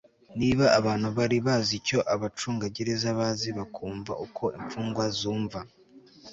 Niba abantu bari bazi icyo abacungagereza bazi bakumva uko imfungwa zumva